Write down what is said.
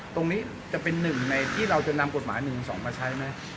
ตรงนี้จะเป็นหนึ่งในที่เราจะนำกฎหมาย๑๑๒มาใช้ไหม